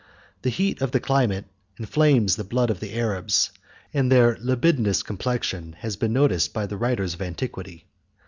The heat of the climate inflames the blood of the Arabs; and their libidinous complexion has been noticed by the writers of antiquity.